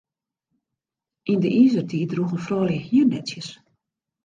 Yn de Izertiid droegen froulju hiernetsjes.